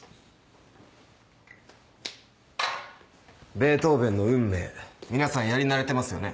ベートーヴェンの『運命』皆さんやり慣れてますよね？